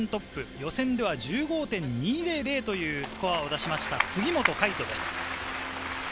予選では１５．２００というスコアを出しました、杉本海誉斗です。